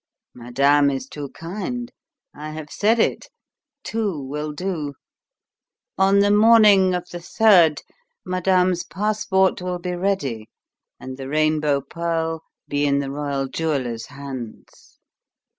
"Madame is too kind. I have said it: two will do. On the morning of the third madame's passport will be ready and the Rainbow Pearl be in the royal jeweller's hands.